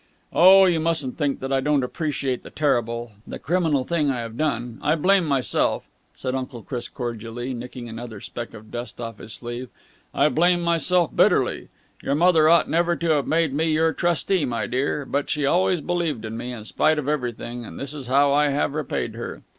"Oh, you mustn't think that I don't appreciate the terrible, the criminal thing I have done! I blame myself," said Uncle Chris cordially, nicking another speck of dust off his sleeve. "I blame myself bitterly. Your mother ought never to have made me your trustee, my dear. But she always believed in me, in spite of everything, and this is how I have repaid her."